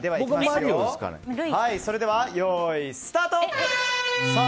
それでは、よーいスタート！